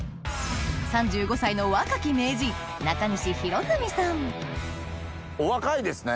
３５歳の若きお若いですね。